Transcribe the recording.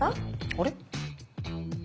あれ？